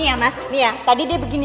nih ya mas nih ya tadi dia begini